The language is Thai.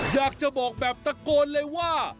อยากจะบอกแบบตะโกนเลยว่า